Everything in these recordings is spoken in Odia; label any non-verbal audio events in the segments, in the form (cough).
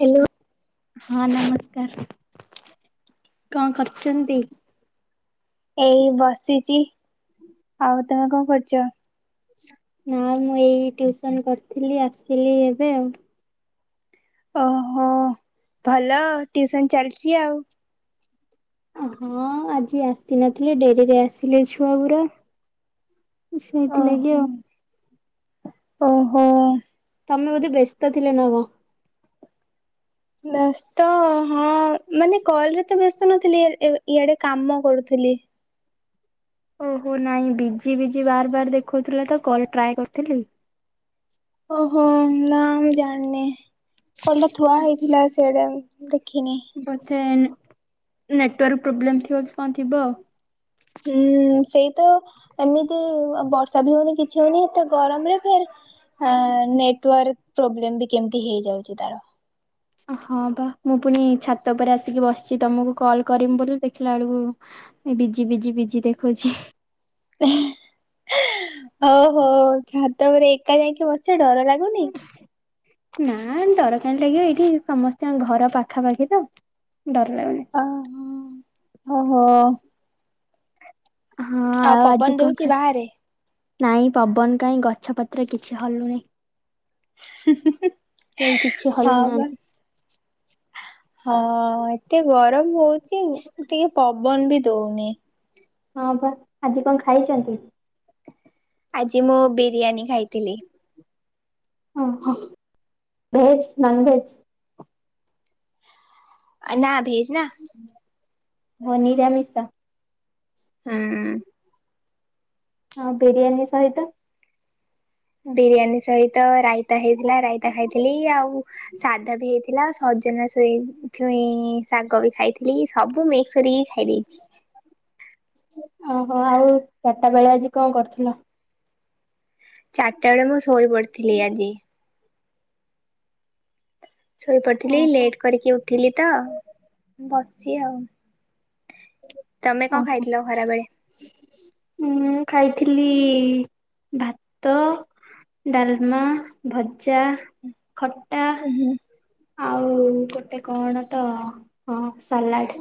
ହ୍ୟାଲୋ ହଁ ନମସ୍କାର କଣ କରୁ ଏଇ ବସିଛି ଆଉ ତମେ କଣ କରୁଛ? ହଁ ମୁଁ ଏଇ ଟ୍ୟୁସନ କରିଥିଲି ଆସିଲି ଏବେ ଆଉ। ଓଃ ହଁ ଭଲ ଟ୍ୟୁସନ ଚାଲିଛି ଆଉ। ଓଃ ହୋ ଆଜି ଆସିନଥିଲେ ଡେରିରେ ଆସିଲେ ଛୁଆ ଗୁଡା। ସେଇଥିଲାଗି ଆଉ। ଓଃ ହୋ। ତମେ ବୋଧେ ବ୍ୟସ୍ତ ଥିଲ ନା କଣ? ବ୍ୟସ୍ତ ହଁ। ମାନେ କଲ ରେ ତ ବ୍ୟସ୍ତ ନଥିଲି ଇଆଡେ କାମ କରୁଥିଲି। ଓଃ ହୋ ନାଇଁ ବିଜି ବିଜି ବାର ବାର ଦେଖଉଥିଲା ତ କଲ ଟ୍ରାଏ କରିଥିଲି। ଓ ହୋ ନା ମୁଁ ଜାଣିନି କଣଟା ଥୁଆ ହେଇଥିଲା ସିଆଡେ। ଦେଖିନି। ବୋଧେ ନେଟୱାର୍କ ପ୍ରୋବ୍ଲେମ ଥିବ କି କଣ ଥିବ ଆଉ। ହୁଁ ସେଇ ତ ଏମିତି ବର୍ଷା ବି ହଉନି କିଛି ହଉନି ଏତେ ଗରମରେ ଫେରେ। ଆ ନେଟୱାର୍କ ପ୍ରୋବ୍ଲେମ ବି କେମିତି ହେଇଯାଉଛି ତାର। ହଁ ବା ମୁଁ ପୁଣି ଛାତ ଉପରେ ଆସିକି ବସିଛି ତମକୁ କଲ୍ କରିମି ବୋଲି ଦେଖିଲା ବେଳକୁ ଏ ବିଜି ବିଜି ବିଜି ଦେଖୋଉଛି। ଓଃ ହୋ ଛାତ ଉପରେ ଏକା ଯାଇକି ବସିଛ ଡର ଲାଗୁନି। ନା ଡର କାଇଁ ଲାଗିବ ଏଇଠି ସମସ୍ତଙ୍କ ଘର ପାଖାପାଖି ତ ଡର ଲାଗୁନି। ଓଃ ହୋ ଓହୋ। ହଁ ଆଉ ଆଜି ପବନ କଣ ଦଉଛି ଖାଇ। ବାହାରେ? ନାଇଁ ପବନ କାହିଁ ଗଛ ପତ୍ର କିଛି ହଲୁନି। ହୁଁ ହୁଁ ହୁଁ। କାଇଁ କିଛି ହଲୁ ନାହାନ୍ତି। ହଁ ଏତେ ଗରମ ହଉଛି ଟିକେ ପବନ ବି ଦଉନି। ହଁ ପା ଆଜି କଣ ଖାଇଛନ୍ତି? ଆଜି ମୁଁ ବିରିୟାନୀ ଖାଇଥିଲି। ଓଃ ହୋ ଭେଜ ନନ୍ ଭେଜ। ନା ଭେଜ ନା। ହଁ ନିିରାମିଶ। ହୁଁ। ହଁ ବିରିୟାନୀ ସହିତ? ବିରିୟାନୀ ସହିତ ରାଇତା ହେଇଥିଲା ରାଇତା ଖାଇଥିଲି ଆଉ ସାଧା ବି ହେଇଥିଲା। ସଜନା ଶୋଇ ଛୁଇ ଶାଗ ବି ଖାଇଥିଲି ସବୁ ମିକ୍ସ କରିକି ଖାଇ ଦେଇଦେଇଛି। ଓହୋ ଆଉ ଚାରିଟା ବେଳେ ଆଜି କଣ କରୁଥିଲ? ଚାରିଟା ବେଳେ ମୁଁ ଶୋଇ ପଡ଼ିଥିଲି ଆଜି। ଶୋଇପଡିଥିଲି ଓହୋ ଲେଟ୍ କରିକି ଉଠିଲି ତ ବସିଚି ଆଉ। ତମେ କଣ ଓହୋ ଖାଇଥିଲ ଖରାବେଳେ? ମୁଁ ଖାଇଥିଲି ଭାତ ଡାଲମା ଭଜା ଖଟା। ଉଁ ହୁଁ ଆଉ ଗୋଟେ କଣ ତ ହଁ ସାଲାଡ।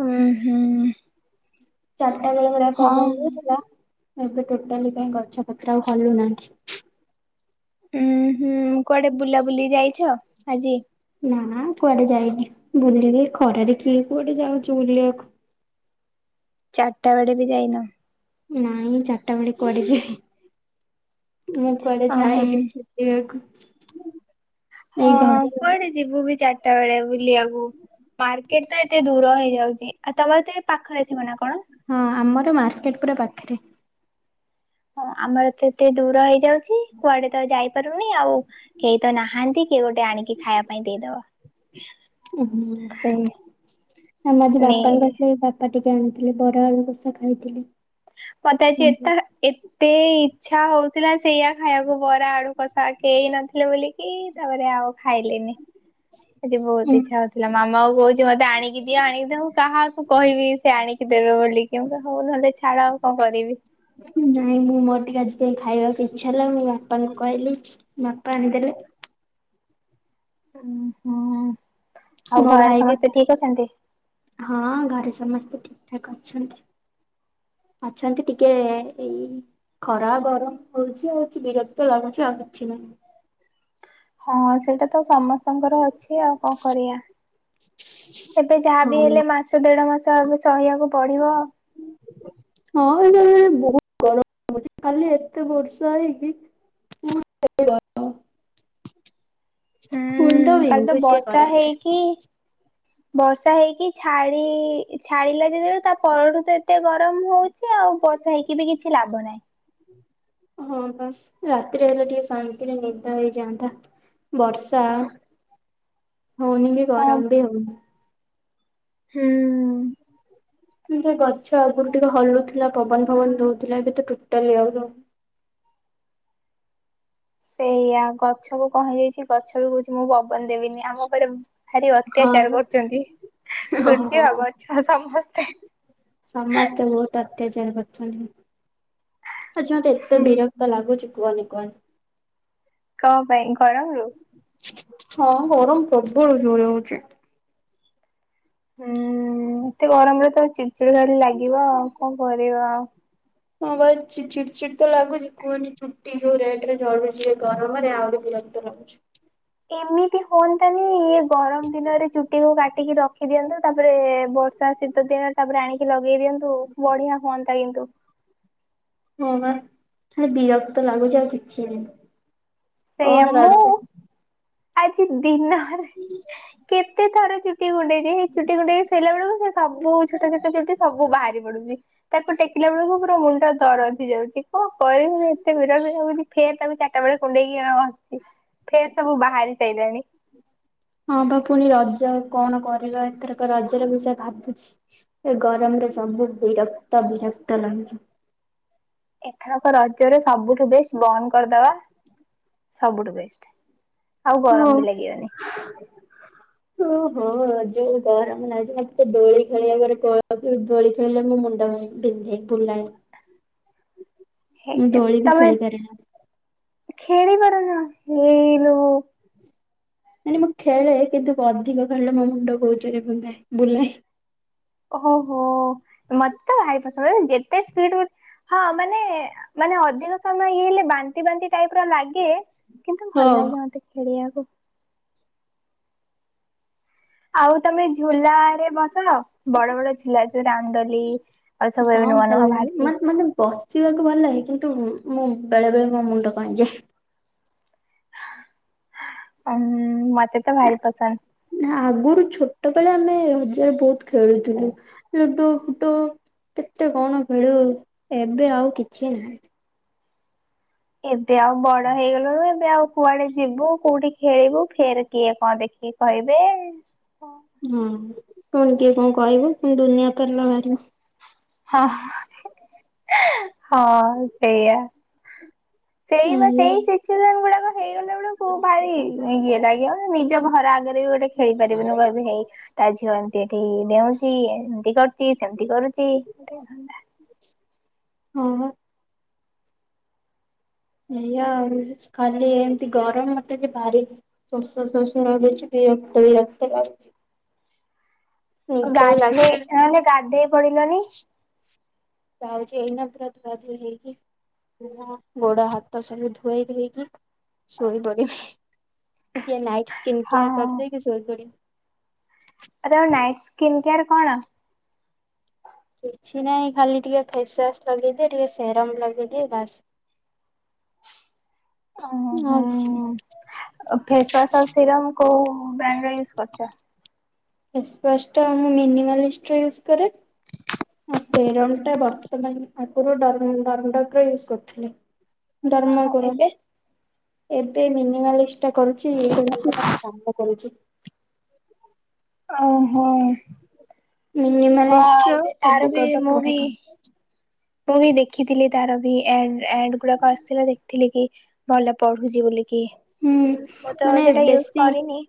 ହୁଁ ହୁଁ। ଚାରିଟା ବେଳେ ପୁରା ହଁ। ପବନ ଦୋଉଥିଲା ଏବେ ଟୋଟାଲି କାଇଁ ଗଛ ପତ୍ର ଆଉ ହଲୁନାହିଁ। ଉୁଁ ହୁଁ କୁଆଡେ ବୁଲା ବୁଲି ଯାଇଛ ଆଜି? ନା ନା କୁଆଡେ ଯାଇନି ବୁଲିବି ଖରାରେ କିଏ କୁଆଡେ ଯାଉଛି ବୁଲିବାକୁ। ଚାରିଟା ବେଡେ ବି ଯାଇନ। ନାଇଁ ଚାରିଟା ବେଳେ କୁଆଡେ ଯିବି ମୁଁ କୁଆଡେ ଓହୋ। ଯାଏନି। ଏୟାକୁ। ହଁ କୁଆଡେ ଯିବୁ ବି ଚାରିଟା ବେଳେ ବୁଲିବାକୁ। ମାର୍କେଟ ତ ଏତେ ଦୂର ହେଇଯାଉଛି ଆଉ ତମେ ଏ ତ ପାଖରେ ଥିବ ନା କଣ? ହଁ ଆମର ମାର୍କେଟ ପୁରା ପାଖରେ। ହଁ ଆମର ଏତେ ଦୂର ହେଇଯାଉଛି କୁଆଡେ ତ ଯାଇପାରୁନି ଆଉ କେହି ତ ନାହାନ୍ତି କିଏ ଗୋଟେ ମତେ ଆଣିକି ଖାଇବାପାଇଁ ଦେଇଦବ। ଓ ସେଇ ଆମ ଯୋଉ ନେ ବାପାଙ୍କ ବାପା ଟିକେ ଆଣିଥିଲେ ବରା ଆଳୁକଷା ଖାଇଥିଲି। ମତେ ଆଜି ଏତେ ଏତେ ଇଚ୍ଛା ହଉଥିଲା ସେଇୟା ଖାଇବାକୁ ବରା ଆଳୁ କଷା କେହି ନଥିଲେ ବୋଲିକି ତାପରେ ଆଉ ଖାଇଲିନି ଆଜି ବହୁତ ଇଚ୍ଛା ହଉଥିଲା। ଥିଲା ମାମାଉ କହୁଛି ମତେ ଆଣିକି ଦିଅ ଆଣିକି ଦିଅ ମୁଁ କାହାକୁ କହିବି ସେ ଆଣିକି ଦେବେ ବୋଲି। କେମିତି ହଉ ନହେଲେ ଛାଡ ଆଉ କଣ କରିବି। ନାଇଁ ମୁଁ ମୋର ଟିକେ ଆଜି କାଇଁ ଖାଇବାକୁ ଇଚ୍ଛା ହେଲା ମଁ ବାପାଙ୍କୁ କହିଲି। ବାପା ଆଣିଦେଲେ। ହୁଁ ହଁ। ମୋ ଭାଇ ବି ହଁ ଘରେ ସମସ୍ତେ ଠିକ ଠାକ୍ ଅଛନ୍ତି। ଅଛନ୍ତି ଟିକେ ଏଇ ଖରା ଗରମ ହଉଛି ଆଉ କିଛି ବିରତି ତ ଲାଗୁଛି ଆଉ କିଛି ନୁହେଁ। ହଁ ସେଇଟା ତ ସମସ୍ତେ ଙ୍କର ଅଛି ଆଉ କଣ କରିବା ଏବେ ଯାହାବି ହଁ ହେଲେ ମାସ ଏ ଦେଢ଼ ମାସ ଆକୁ ସହିବାକୁ ପଡ଼ିବ। ହଁ ଏବେ ବହୁତ ଗରମ ହଉଛି କାଲି ଏତେ ବର୍ଷା ହେଇକି ପୁଣି କେତେ ଗରମ। ମୁଣ୍ଡ ହୁଁ କାଲିତ ବିନ୍ଧୁଛି ଏ ବର୍ଷା ଗରମରେ। ହେଇକି ବର୍ଷା ହେଇକି ଛାଡି ଛାଡିଲା ଯେତେବେଳୁ ତା ପରଠୁ ତ ଏତେ ଗରମ ହଉ ଛି ଆଉ ବର୍ଷା ହେଇକି ବି କିଛି ଲାଭ ନାହିଁ। ହଁ ପା ରାତିରେ ହେଲେ ଟିକେ ଶାନ୍ତିରେ ନିଦ ହେଇଯାଆନ୍ତା। ବର୍ଷା ହଉନି ବି ହଁ ଗରମ ବି ହଉନି। ହୁଁ। ଗଛ ଆଗରୁ ଟିକେ ହଲୁଥିଲା ପବନ ଫବନ ଦଉଥିଲା ଏବେ ତ ଟୋଟାଲି ଆଉ ଦଉନି। ସେଇଆ ଗଛ କୁ କଣ ହେଇଯାଇଛି ଗ ଗଛ ବି କହୁଛି ମୁଁ ପବନ ଦେବିନି ଆମ ଉପରେ ଭାରି ଅତ୍ୟାଚାର ହଁ କରୁଛନ୍ତି। ସୂର୍ଯ୍ୟ ହଁ। ଗଛ ସମସ୍ତେ। ସମସ୍ତେ ବହୁତ ଅତ୍ୟାଚାର କରୁଛନ୍ତି ଆଜି ମୋତେ ଏତେ ହୁଁ। ବିର କ୍ତ ଲାଗୁଛି କୁହନି କୁହନି। କଣ ପାଇଁ ଗରମ ରୁ? ହଁ ଗରମ ପ୍ରବଳ ଜୋରେ ହଉଛି। ହୁଁ ଏତେ ଗରମରେ ତ ଚିଡ଼ଚିଡା ଖାଲି ଲାଗିବ ଆଉ କଣ କରିବା ଆଉ। ହଁ ବା ଚିଡ୍ ଚି ଚିଡ୍ ତ ଲାଗୁଛି କୁହନ ଚୁଟି ଯୋଉ ରେଟ୍ ରେ ଝଡୁଛି ଗରମରେ ଆହୁରି ବିରକ୍ତ ଲାଗୁଛି। ଏମିତି ହୁଅନ୍ତାନି ଏ ଗରମ ଦିନରେ ଚୁଟିକୁ କାଟିକି ର ରଖି ଦିଅନ୍ତୁ ତାପରେ ବର୍ଷା ଶୀତ ଦିନ ତାପରେ ଆଣିକି ଲଗେଇ ଦିଅନ୍ତୁ ବଢିଆ ହୁଅନ୍ତା କିନ୍ତୁ। ହଁ ବା ବିରକ୍ତ ଲାଗୁଛି। ଆଉ କିଛି ଦିନ ସେଇଆ କଣ ମୁଁ ରଜ ଆଜି ଦିନରେ କେତେଥର ଚୁ ଚୁଟି କୁଣ୍ଡେଇକି ଚୁଟି କୁଣ୍ଡେଇ ଶୋଇଲା ବେଳକୁ ସେ ସବୁ ଛୋଟ ଛୋଟ ଚୁଟି ସବୁ ବାହାରି ପଡୁଛି। ତାକୁ ଟେକିଲା ବେଳକୁ ପୁରା ମୁଣ୍ଡ ଦରଜ ହେଇ ଯାଉଛି କଣ କରିବ ଏତେ ବିରକ୍ତ ହୋଉଚି। ଫେର୍ ତାକୁ ଚାରିଟା ବେଳେ କୁଣ୍ଡେଇକି ଆଁ ଫେର୍ ସବୁ ବାହାରି ସାଇଲାଣି। ହଁ ପା ପୁଣି ରଜ କଣ କରିବା ଏଥରକ ରଜର ବିଷୟ ଭାବୁଛି। ଏ ଗରମରେ ସବୁ ବିରକ୍ତ ବିରକ୍ତ ଲାଗୁଚି। ଏଥରକ ରଜରେ ସବୁଠୁ ବେଷ୍ଟ ବନ୍ଦ କରିଦବା ସବୁଠୁ ବେଷ୍ଟ। ଆଉ ଗରମ ହଁ। ବି ଲାଗିବନି। ଓହୋ ଯୋଉ ଗରମ ଲାଗୁଛି ମତେ ଦୋଳି ଖେଳିବା ପରେ ଦୋଳି ଖେଳିଲେ ମୋ ମୁଣ୍ଡ। (unintelligible) ଧିକ୍ ଧିକ୍ ବୁଲାଏ। (inaudible) ହେ ମୁଁ ଦୋଳି ବି ତମେ ଖେଳି ପାରେନା। ଖେଳି ପାରୁନ ହେଇଲୋ ବୋଉ। ମାନେ ମୁଁ ଖେଳେ କିନ୍ତୁ ଅଧିକ ଖେଳିଲେ ମୋ ମୁଣ୍ଡ ବହୁ ଜୋରରେ ବୁନ୍ଦାଏ ବୁଲାଏ। ଓହୋ ମତେ ଭାରି ପସନ୍ଦ। ଯେତେ ସ୍ପିଡ୍ ହଁ ମାନେ ମାନେ ଅଧିକ ସମୟ ଇଏ ହେଲେ ବାନ୍ତି ବାନ୍ତି ଟାଇପ୍ ର ଲାଗେ। କିନ୍ତୁ ଭଲ ହଁ। ଲାଗେ ମୋତେ ଖେଳିବାକୁ। ଆଉ ତମେ ଝୁଲା ରେ ବସୁନ ବଡ ବଡ ଝୁ ଥିଲା ଯୋଉ ରାମଦୋଲି ଆଉ ସବୁ ଏବେ ହଁ ନୂଆ ଭଲ ନୂଆ ଲାଗେ ବାହାରିଚି। ମତେ ମତେ ବସିବାକୁ ଭଲ ଲାଗେ କିନ୍ତୁ ମୁଁ ବେଳେ ବେଳେ ମୋ ମୁଣ୍ଡ କଣ ହେଇଯାଏ। ଉଁ ମତେ ତ ଭାରି ପସନ୍ଦ। ନା ଆଗରୁ ଛୋଟ ବେଳେ ଆମେ ଯୋଉ ବହୁତ ଖେଳୁଥିଲୁ। ଲୁଡୁ ଫୁଡୁ କେତେ କଣ ଖେଳୁ ଏବେ ଆଉ କିଛି ନାହିଁ। ଏବେ ଆଉ ବଡ ହେଇଗଲୁଣୁ। ଏବେ ଆଉ କୁଆଡେ ଯିବୁ କୋଉଠି ଖେଳିବୁ ଫେର କିଏ କଣ ଦେଖିକି କହିବେ? ହଁ ପୁଣି କିଏ କଣ କହିବ ଦୁନିଆ ପାଲା ବାହାରିବ। ହଁ ହଁ ସେଇଆ। ସେଇ ବା ଆଜ୍ଞା ସେଇ ସିଚୁଆନ ଗୁଡାକ। ହେଇଗଲା ବେଳକୁ ଭାରି ଇଏ ଲାଗିବ ନିଜ ଘର ଆଗରେ ବି ଗୋଟେ ଖେଳି ପାରିବୁନି କହିବି ହେଇ ତା ଝିଅ ଏମିତି ଏଠି ଡେଉଁଛି ଏମିତି କରୁଛି ସେମିତି କରୁଛି ଗୋଟେ ଧନ୍ଦା। ହଁ ବା। ଏଇଆ ଆଉ ଖାଲି ଏମିତି ଗରମ ମୋତେ ଯେ ଭାରି ଶୋସ ଶୋସ ଲାଗୁଛି ବିରକ୍ତ ବିରକ୍ତ ଲାଗୁଛି। ନିଦ ବି ଗାଧେ ଲାଗୁନି ନହେଲେ ଗାଧେଇ ପଡିଲନି। ଯାଉଛି ଏଇନା ପୁରା ଧୁଆ ଧୁଇ ହେଇକି ଗୋଡ ହାତ ସବୁ ଧୋଇ ଧାଇକି ଶୋଇ ପଡିବି। ଟିକେ ନାଇଟ୍ ସ୍କିନ ହଁ। କେୟାର କରି ଦେଇକି ଶୋଇପଡିବି। ଆରେ ଆଉ ନାଇଟ୍ ସ୍କିନ୍ କେୟାର୍ କଣ? କିଛି ନାହିଁ ଖାଲି ଟିକେ ଫେସୱାସ୍ ଲଗେଇଦିଏ ଟିକେ ସେରମ୍ ଲଗେଇଦିଏ ବାସ୍। ଓହୋ ହଁ ଆଉ କିଛି ନାହିଁ। ଫେସୱାସ୍ ଆଉ ସିରମ କୋଉ ବ୍ରାଣ୍ଡର ୟୁଜ୍ କରୁଛ? ଫେସ୍‌ୱାସ୍ ଟା ମୁଁ ମିନିମାଲିଷ୍ଟ ର ଇଉସ କରେ। ଆଉ ସେରନ୍ ଟା ବର୍ତ୍ତମାନ ଆଗରୁଡଡର ୟୁଜ୍‌ କରୁଥିଲି। ହଁ ହଁ ଡର୍ମାଟର ଏବେ ଏବେ ମିନିମାଲିଷ୍ଟ ଏଟା କରୁଛି ଭଲ ଭଲ କାମ କରୁଛି। ଓହଁ ହଁ ମିନିମାଲିଷ୍ଟ ର ଏବେ ତାର ସବୁ ବି ମୁଁ ପ୍ରଡକ୍ଟ ଗୁଡା ବି କାମ କରୁଛି। ମୁଁ ବି ଦେଖିଥିଲି ତାର ବି ଗୁଡାକ ଆସିଥିଲା ଦେଖିଥିଲି କି ଭଲ ପଢୁଛି ବୋଲିକି ମୁଁ ହୁଁ ତ ମାନେ ସେଟା ୟୁଜ ବେଶୀ କରିନି।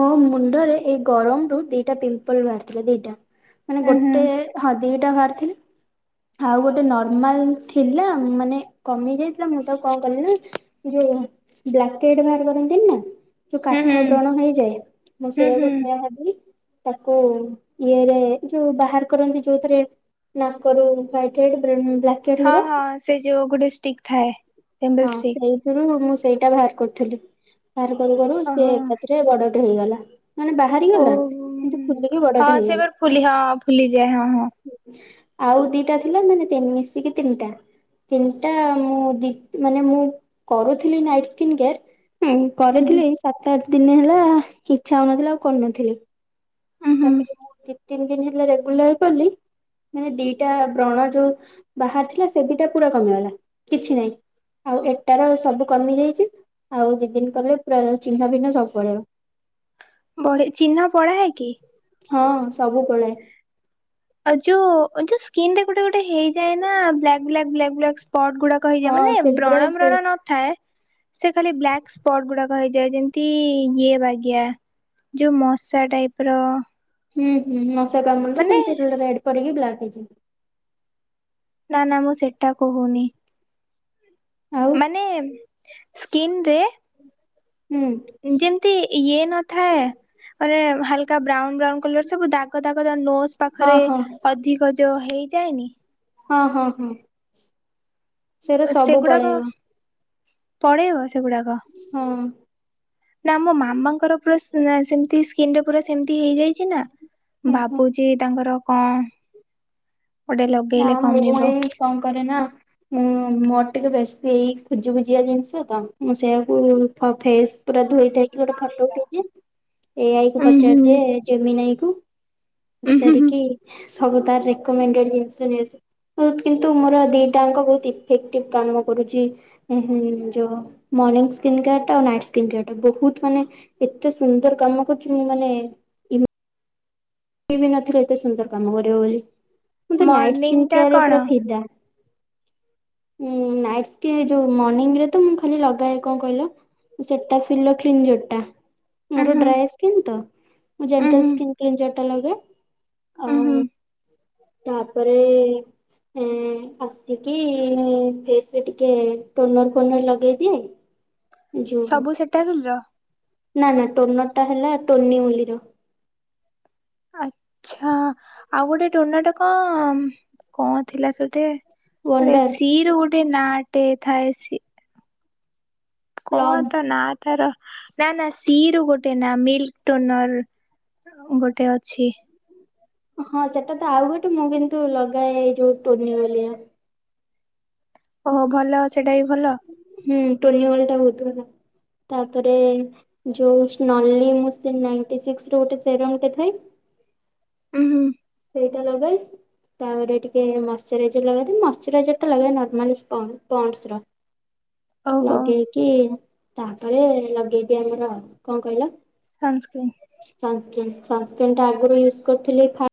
ମୋ ମୁଣ୍ଡରେ ଏଇ ଗରମ ରୁ ଦିଟା ପିମ୍ପଲ ବାହାରିଥିଲା। ଦିଟା ମାନେ ହୁଁ ହୁଁ ଗୋଟେ- ହଁ ଦିଇଟା ବାହାର ଥିଲି। ଆଉ ଗୋଟେ ନର୍ମାଲ ଥିଲା ମାନେ କମେଇ ଯାଇଥିଲା ମୁଁ ତ କଣ କଲିି ନା ଯୋଉ ବ୍ଲାକେଟ୍ ବାହାର କରନ୍ତିନି ନା? ଯୋଉ ହୁଁ ହୁଁ କାଠ ବ୍ରଣ ହେଇଯାଏ ମୁଁ ହୁଁ ସେଇଆକୁ ହୁଁ ସେୟା ଭାବି ତାକୁ ଇଏରେ ଯୋଉ ବାହାର କରନ୍ତି ଯୋଉଥିରେ ନା (unintelligible) ହଁ ହଁ ସେ ଯୋଉ ଗୋଟେ ଷ୍ଟିକ ଥାଏ। ଟେମ୍ବଲ ହଁ ଷ୍ଟିକ୍ ସେଇଥିରୁ ମୁଁ ସେଇଟା ବାହାର କରୁଥିଲି ବାହାର କରୁ କରୁ ସିଏ ଓହୋ ମଚିରେ ବଡ଼ ଟେ ହେଇଗଲା ମାନେ ବା ଓ ବାହାରିଗଲା କିନ୍ତୁ ଖୁଲିକି ହଁ ବଡଟା ସେ ହେଇଗଲା। ବାର ଫୁଲି ହଁ ଫୁଲିଯାଏ ହଁ ହଁ ଆଉ ଦିଟା ଥିଲା ମାନେ ମିଶିକି ତିନିଟା ତିନିଟା ମୁଁ ଦି ମାନେ ମୁଁ କରୁଥିଲି ନାଇଟ ସ୍କିନ କେୟାର ହୁଁ କରିଥିଲି ହୁଁ ଏଇ ସପ୍ତାହ ଟା ଦିନେ ହେଲା ଇଚ୍ଛା ହଉନଥିଲା ଆଉ କରୁନଥିଲି ହୁଁ ହୁଁ ତାପରେ ତିନି ଦିନ ହେଲା ରେଗୁଲାର କଲି ମାନେ ଦିଟା ବ୍ରଣ ଯୋଉ ବାହାରି ଥିଲା ସେ ଦିଟା ପୁରା କମିଗଲା କିଛି ନାହିଁ। ଆଉ ଏଟା ର ସବୁ କମି ଯାଇଛି ଆଉ ଦି ଦିନ କଲେ ପୁରା ଚିହ୍ନା ଫିହ୍ନ ସବୁ ପଳେଇବ। ବଢ଼ି ଚିହ୍ନ ପଳାଏ କି? ହଁ ସବୁ ପଳାଏ। ଆଉ ଯୋଉ ଯୋଉ ସ୍କିିନ ରେ ଗୋଟେ ଗୋଟେ ହେଇଯାଏ ନା black black black black spot ଗୁଡ଼ାକ। କହିଯା ହଁ ମାନେ ସେଗୁଡା ବ୍ରଣ ସେ ବ୍ରଣ ନ ଥାଏ ସେ ଖାଲି ବ୍ଲାକ୍ ସ୍ପଟ ଗୁଡ଼ାକ ହେଇଯାଏ ଯେମିତି ଇଏ ବାଗିଆ। ଯେଉଁ ମଶା ଟାଇପ୍ର। ହୁଁ ହୁଁ ମଶା କାମୁଡ଼ିଲେ ସେମିତି ରେଡ୍ ପଡ଼ିକି ବ୍ଲାକ୍ ହେଇଯିବ। ନା ନା ମୁଁ ସେଟା କହୁନି। ଆଉ ମାନେ ସ୍କିିନ ରେ ହୁଁ (unintelligible) ନ୍ତି ଇଏ ନଥାଏ ମାନେ ହାଲକା ବ୍ରାଉନ୍ ବ୍ରାଉନ୍ କଲର ସବୁ ଦାଗ ଦାଗ ଯଉରା ନୋଜ ହଁ ପାଖରେ ହଁ ଅଧିକ ଯୋଉ ହେଇଯାଏନି। ସେରା ସବୁ ସେଗୁଡାକ ପଳେଇବ। ପଳେଇବ ସେଗୁଡ଼ାକ। ହଁ। ନା ମୋ ମାମାଙ୍କର ପୁରା ସେମତି ସ୍କିନ ରେ ପୁରା ସେମତି ହେଇଯାଇଛି ନା। ଭାବୁଛି ତାଙ୍କର କଣ? ଗୋଟେ ନା ଲଗେଇଲେ ମୁଁ କମିବ ଏଇ କଣ କରେ ନା ମୁଁ ମୋର ଟିକେ ବେଶୀ ଏଇ ଖୁଜୁ ଖୁଜିଆ ଜିନିଷ ତ ମୁଁ ସେଇଆକୁ ଫ ଫେସ୍ ପୁରା ଧୋଇ ଧାଇକି ଗୋଟେ ଫଟୋ ଉଠେଇଦିଏ ଏଇ ଆଇ କୁ ଉୁଁ ହୁଁ ପଚାରି ଦିଏ ଯେମିିନ ଆଈ କୁ ଉୁଁ ହୁଁ ପଚାର ହୁଁ ଜି ସବୁ ତା ରେକୋମେଣ୍ଡେଡ଼ ନିଏ। କିନ୍ତୁ ମୋର ଦିଟାଙ୍କ ବହୁତ ଇଫେକ୍ଟିଭ କାମ କରୁଛି। ଉ ହୁଁ ଯୋଉ ମର୍ଣିଁ ସ୍କିନ୍ କେୟାର ଟା ଆଉ ନାଇଟ ସ୍କିନ୍ କେୟାର ଟା ବହୁତ୍ ମାନେ ଏତେ ସୁନ୍ଦର କାମ କରୁଛି ମୁଁ ମାନେ ବିନଥିଲି ଏତେ ସୁନ୍ଦର କାମ କରିବ ବୋଲି କିନ୍ତୁ ନାଇଟ ମର୍ଣ୍ଣିଂ ଟା କେୟାର ଉପରେ କଣ ଫିଦା। ଉଁ ନାଇଟ ସ୍କିନ୍ ଯଉ ମନିଙ୍ଗ ରେ ତ ମୁଁ ଖାଲି ଲଗାଏ କଣ କହିଲ? ସେଟା ଫିଲୋକ୍ଲିନ ଯୋଉଟା। ଉଁ ମୋର ହୁଁ ଡ୍ରାଏ ସ୍କିନ୍ ତ ମୁଁ ଉଁ ଜେଣ୍ଟାଲ ହୁଁ ସ୍କିନ୍ କ୍ଲିନଜର ଟା ଲଗେ ଉଁ ହୁଁ ଆଉ ତାପରେ ଏଁ ଆସିକି ମୁଁ ଫେସରେ ଟିକେ ଟୋନର ଫୋନର ଲଗେଇଦିଏ। ଯୋଉ ସବୁ ସେଟାବିଲ ର? ନା ନା ଟୋନର ଟା ହେଲା ଟୋନିୟୁଲି ର। ଆଚ୍ଛା ଆଉ ଗୋଟେ ଟୋନରଟା କ କଣ ଥିଲା ସେଟେ? ରେ ୱାଣ୍ଡାର ସି ରୁ ଗୋଟେ ନାଁ ଟେ ଥାଏ ସି କଣ ପ୍ଲମ୍ ତା ନା ତାର ନା ନା ସିରୁ ଗୋଟେ ନା ମିଲ୍କ ଟୋନଲ୍। ଗୋଟେ ଅଛି। ହଁ ସେଟା ତ ଆଉ ଗୋଟେ ମୁଁ କିନ୍ତୁ ଲଗାଏ ଏଇ ଯୋଉ ଟୋନିଓ ରେ। ଓହୋ ଭଲ ସେଟା ବି ଭଲ। ହୁଁ ଟୋନିୱଲ ଟା ବହୁତ ଭଲ। ତାପରେ ଯୋଉ ସ୍ନଲି ମୁଁ ସେ ନାଇଣ୍ଟି ସିକ୍ସ ର ଗୋଟେ ସେରମ୍ ଟେ ଥାଏ। ଉଁ ହୁଁ ସେଇଟା ଲଗାଏ। ତାପରେ ଟିକେ ମଶ୍ଚରାଇଜର ଲଗେଇଦେଲି ମଇଶ୍ଚରାଇଜର ଟା ଲଗାଇବା ନର୍ମାଲ ପଣ୍ଡ୍ସ ର। (inaudible) ଓହୋ ଲଗେଇକି ତାପରେ ଲଗେଇକି ଆମର କଣ କହିଲ। ସନ୍ ସ୍କ୍ରିନ। ସନସ୍କ୍ରିନ ସନସ୍କ୍ରିନ ଟା ଆଗରୁ ୟୁଜ୍ କରିଥିଲି ଫା